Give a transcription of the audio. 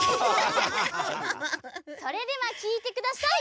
それではきいてください！